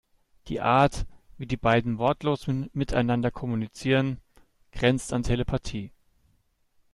Die Art, wie die beiden wortlos miteinander kommunizieren, grenzt an Telepathie.